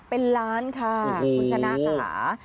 เป็นล้านค่ะคุณชนะค่ะ